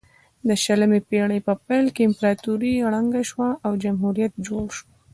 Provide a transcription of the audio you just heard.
د شلمې پیړۍ په پیل کې امپراتوري ړنګه شوه او جمهوریت جوړ شو.